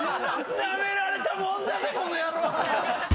ナメられたもんだぜこの野郎！